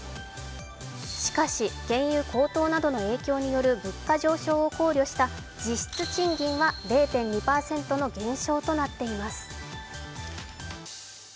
しかし、原油高騰などの影響による物価上昇を考慮した実質賃金は０．２％の減少となっています。